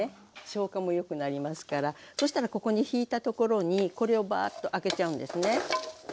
消化もよくなりますからそしたらここにひいたところにこれをバーッとあけちゃうんですね。